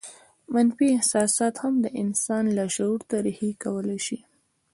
منفي احساسات هم د انسان لاشعور ته رېښې کولای شي